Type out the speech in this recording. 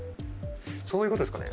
そういうことですかね？